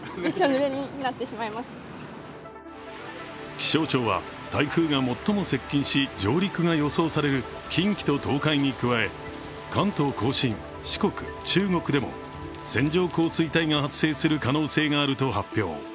気象庁は、台風が最も接近し上陸が予想される近畿と東海に加え、関東甲信、四国、中国でも線状降水帯が発生する可能性があると発表。